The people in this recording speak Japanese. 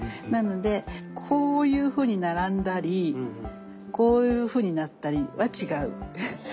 なのでこういうふうに並んだりこういうふうになったりは違う。